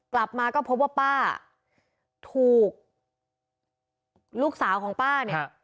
กลับมาก็พบว่าป้าถูกลูกสาวของป้าเนี่ย